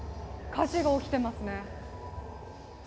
火事が起きてますね。